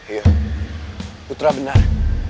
iya putra benar